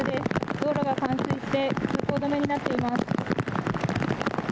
道路が冠水して通行止めになっています。